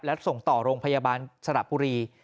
และส่งต่อโรงพยาบาลสระบุรี